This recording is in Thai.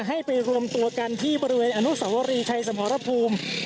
ให้ไปรวมตัวกันที่บริเวณอนุสวรีชัยสมรภูมิ